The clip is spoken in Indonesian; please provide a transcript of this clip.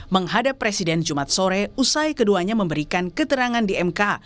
menghadap presiden jumat sore usai keduanya memberikan keterangan di mk